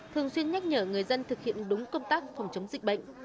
thường xuyên nhắc nhở người dân thực hiện đúng công tác phòng chống dịch bệnh